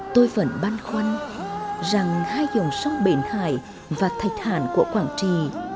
tôi vẫn băn khoăn rằng hai dòng sông bến hải và thạch hàn của quảng trì